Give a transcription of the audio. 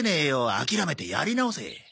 諦めてやり直せ。